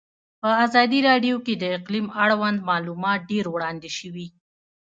په ازادي راډیو کې د اقلیم اړوند معلومات ډېر وړاندې شوي.